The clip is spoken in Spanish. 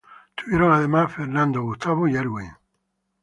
Tuvieron además a Fernando, Gustavo y Erwin.